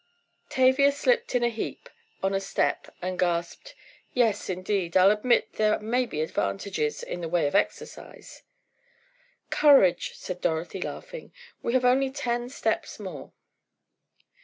Tavia slipped in a heap on a step and gasped: "Yes, indeed, I'll admit there may be advantages in the way of exercise." "Courage," said Dorothy laughing, "we have only ten steps more!"